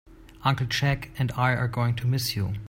Uncle Jack and I are going to miss you.